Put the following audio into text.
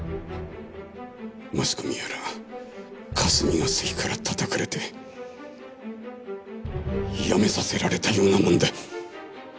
マスコミやら霞が関から叩かれて辞めさせられたようなもんだ！